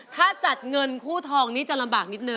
ถ้าจัดเงินคู่ทองนี่จะลำบากนิดนึ